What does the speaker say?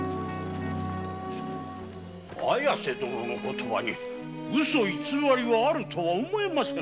綾瀬殿の言葉に嘘偽りがあるとは思えませぬ。